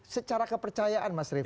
secara kepercayaan mas rifu